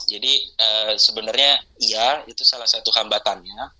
jadi sebenarnya iya itu salah satu hambatannya